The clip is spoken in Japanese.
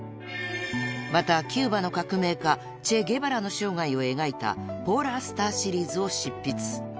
［またキューバの革命家チェ・ゲバラの生涯を描いた『ポーラースター』シリーズを執筆］